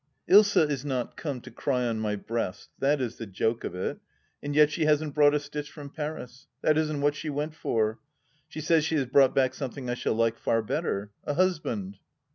Ilsa is not come to cry on my breast, that is the joke of it ; and yet she hasn't brought a stitch from Paris. That isn't what she went for. She says she has brought back something I shall like far better — a husband